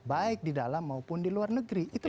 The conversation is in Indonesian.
baik di dalam maupun di luar negeri itu